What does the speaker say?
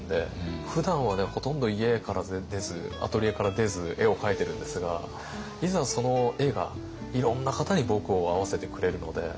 ふだんはねほとんど家から出ずアトリエから出ず絵を描いてるんですがいざその絵がいろんな方に僕を会わせてくれるので。